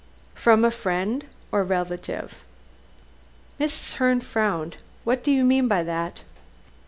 "From a friend or relative?" Mrs. Herne frowned. "What do you mean by that?"